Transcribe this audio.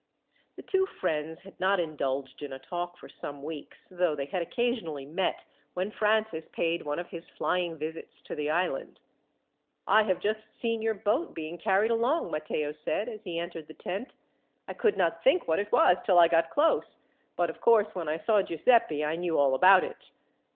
The two friends had not indulged in a talk for some weeks, though they had occasionally met when Francis paid one of his flying visits to the island. "I have just seen your boat being carried along," Matteo said, as he entered the tent. "I could not think what it was till I got close; but of course, when I saw Giuseppi, I knew all about it.